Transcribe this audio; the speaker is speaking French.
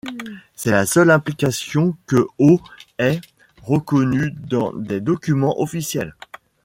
C’est la seule implication que Haut ait reconnue dans des documents officiels.